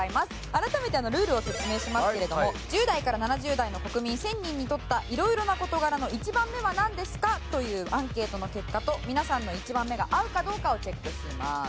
改めてルールを説明しますけれども１０代から７０代の国民１０００人に取った色々な事柄の１番目はなんですかというアンケートの結果と皆さんの１番目が合うかどうかをチェックします。